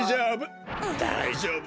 だいじょうぶ！